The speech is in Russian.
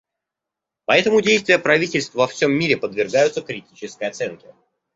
Поэтому действия правительств во всем мире подвергаются критической оценке.